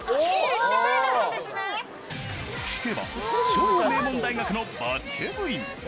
聞けば、超名門大学のバスケ部員。